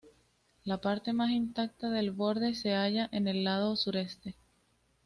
La parte más intacta del borde se halla en el lado sureste.